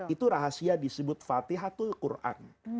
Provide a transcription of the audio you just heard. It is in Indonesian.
itu rahasia disebut fatihah tul quran